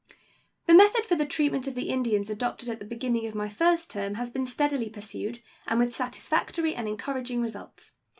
The method for the treatment of the Indians adopted at the beginning of my first term has been steadily pursued, and with satisfactory and encouraging results.